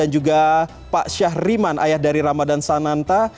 juga pak syahriman ayah dari ramadan sananta